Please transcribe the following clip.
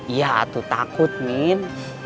iya tuh takut min